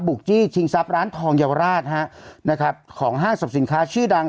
จี้ชิงทรัพย์ร้านทองเยาวราชฮะนะครับของห้างสรรพสินค้าชื่อดัง